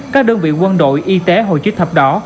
các đơn vị quân đội y tế hồi trước thập đỏ